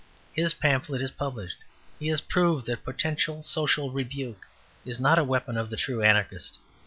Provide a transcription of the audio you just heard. His pamphlet is published. He has proved that Potential Social Rebuke is not a weapon of the true Anarchist.